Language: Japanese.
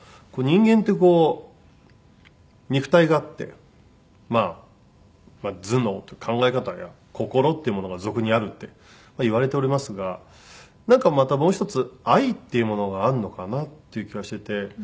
人間ってこう肉体があってまあ頭脳考え方や心っていうものが俗にあるっていわれておりますがなんかまたもう一つ愛っていうものがあるのかなっていう気がしてて。